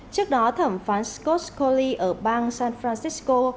trước đó thẩm phán scott colly ở bang san francisco